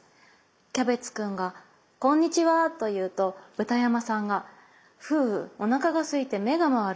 キャベツくんが『こんにちは』というとブタヤマさんが『フーおなかがすいてめがまわる。